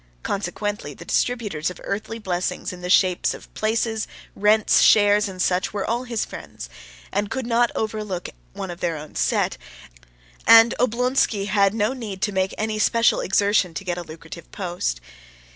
Consequently the distributors of earthly blessings in the shape of places, rents, shares, and such, were all his friends, and could not overlook one of their own set; and Oblonsky had no need to make any special exertion to get a lucrative post.